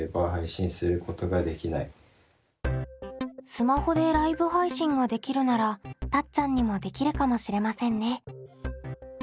スマホでライブ配信ができるならたっちゃんにもできるかもしれませんね。